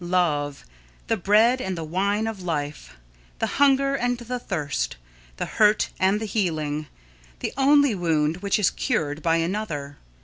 Love! The bread and the wine of life, the hunger and the thirst, the hurt and the healing, the only wound which is cured by another!